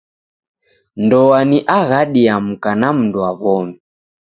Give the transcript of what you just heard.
Ndoa ni aghadi ya mka na mndu wa w'omi.